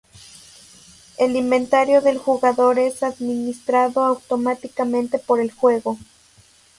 El inventario del jugador es administrado automáticamente por el juego.